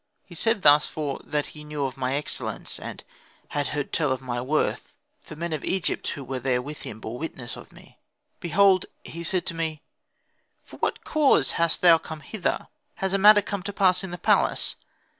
He said thus for that he knew of my excellence, and had heard tell of my worth, for men of Egypt who were there with him bore witness of me. Behold he said to me, "For what cause hast thou come hither? Has a matter come to pass in the palace?